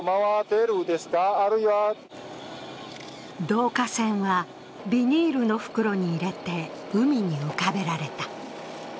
導火線はビニールの袋に入れて海に浮かべられた。